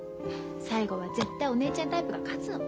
最後は絶対お姉ちゃんタイプが勝つの。